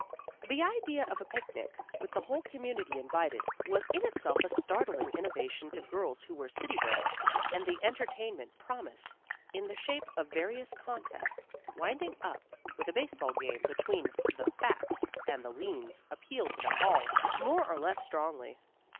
The idea of a picnic, with the whole community invited, was in itself a startling innovation to girls who were city bred, and the entertainment promised in the shape of various contests, winding up with a baseball game between the "Fats" and the "Leans" appealed to them all, more or less strongly.